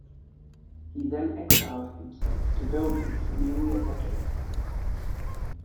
He then exiled himself to Belgium for nearly a decade.